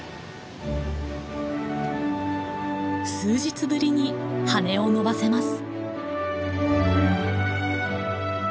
数日ぶりに羽を伸ばせます。